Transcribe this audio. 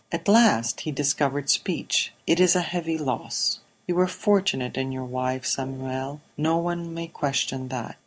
At last he discovered speech. "It is a heavy loss. You were fortunate in your wife, Samuel; no one may question that.